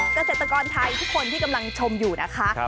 เกษตรกรไทยทุกคนที่กำลังชมอยู่นะคะ